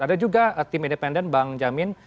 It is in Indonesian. ada juga tim independen bang jamin